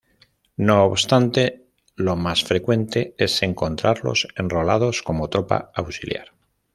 No obstante lo más frecuente es encontrarlos enrolados como tropa auxiliar.